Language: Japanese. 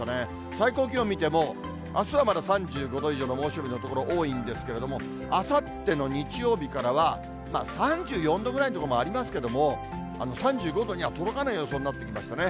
最高気温見ても、あすはまだ３５度以上の猛暑日の所多いんですけれども、あさっての日曜日からは、３４度ぐらいの所もありますけれども、３５度には届かない予想になってきましたね。